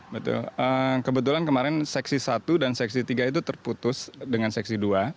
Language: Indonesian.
betul kebetulan kemarin seksi satu dan seksi tiga itu terputus dengan seksi dua